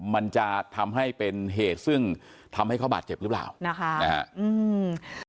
มันจะทำให้เป็นเหตุซึ่งทำให้เขาบาดเจ็บหรือเปล่านะคะอืม